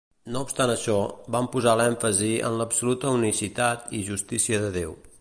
No obstant això, van posar l'èmfasi en l'absoluta unicitat i justícia de Déu.